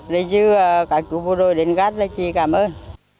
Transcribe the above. đấy chứ cả chú vô đôi đến gạt là chỉ cảm ơn